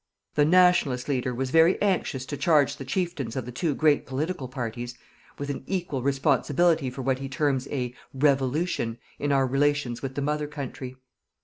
The "Nationalist" leader was very anxious to charge the chieftains of the two great political parties with an equal responsibility for what he terms a "Revolution" in our relations with the Mother Country.